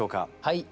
はい。